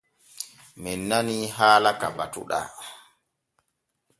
Men nanii haala ka batuɗaa.